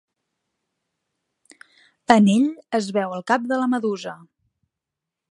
En ell es veu el cap de la Medusa.